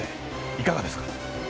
いかがですか？